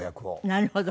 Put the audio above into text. なるほど。